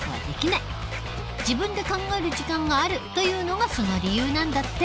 自分で考える時間があるというのがその理由なんだって。